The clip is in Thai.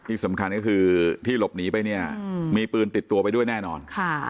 ที่สำคัญก็คือที่หลบหนีไปเนี่ยมีปืนติดตัวไปด้วยแน่นอน